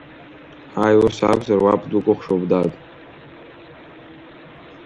Ҳаи, ус акәзар, уаб дукәхшоуп, дад!